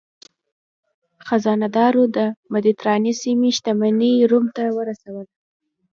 خزانه دارو د مدترانې سیمې شتمني روم ته ورسوله.